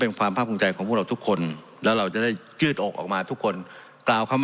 เพราะมันก็มีเท่านี้นะเพราะมันก็มีเท่านี้นะ